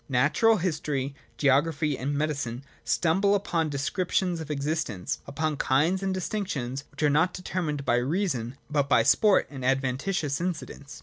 Natural history, geography, and medicine stumble upon descriptions of existence, upon kinds and distinctions, which are not determined by reason, but by sport and adventitious incidents.